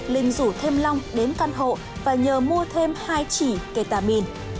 linh rủ thêm long đến căn hộ và nhờ mua thêm hai chỉ ketamin